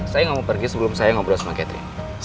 saya gak mau pergi sebelum saya ngobrol sama catherine